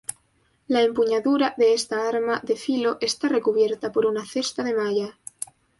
La empuñadura de esta arma de filo está recubierta por una cesta de malla.